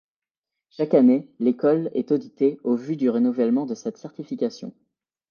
Chaque année, l'école est auditée en vue du renouvellement de cette certification.